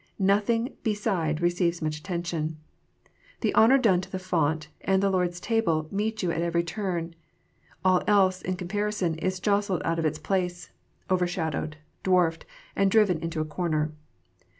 Nothing beside receives much attention. The honour done to the font and the Lord s Table meet you at every turn. All else, in comparison, is jostled out of its place, overshadowed, dwarfed, and driven into a corner.